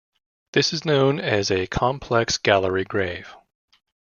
This is known as a "complex gallery grave".